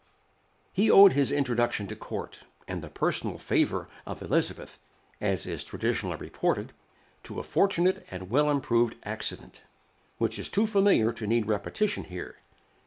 He owed his introduction to court, and the personal favor of Elizabeth, as is traditionally reported, to a fortunate and well improved accident, which is too familiar to need repetition here.